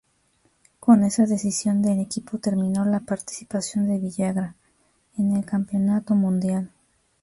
Con esa decisión del equipo terminó la participación de Villagra en el Campeonato Mundial.